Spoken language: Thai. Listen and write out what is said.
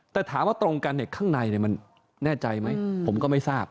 แต่ถามว่าตรงกันข้างในมันแน่ใจไหมผมก็ไม่ทราบ